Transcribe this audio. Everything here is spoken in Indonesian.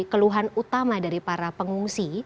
keluhan utama dari para pengungsi